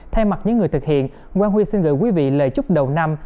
thay mặt những người thực hiện quang huy xin gửi quý vị lời chúc đầu năm